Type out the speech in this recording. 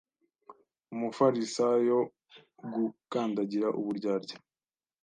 Umufarisayo Gukandagira uburyarya